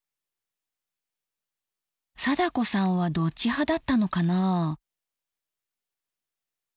貞子さんはどっち派だったのかな？